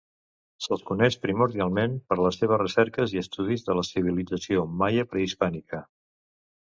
Se'l coneix primordialment per les seves recerques i estudis de la civilització maia prehispànica.